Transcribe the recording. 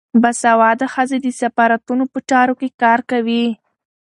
باسواده ښځې د سفارتونو په چارو کې کار کوي.